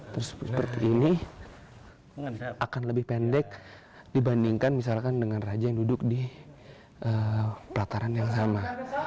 terus seperti ini akan lebih pendek dibandingkan misalkan dengan raja yang duduk di pelataran yang sama